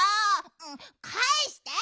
かえして！